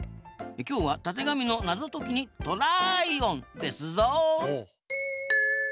今日はたてがみの謎解きにトライオン！ですぞ！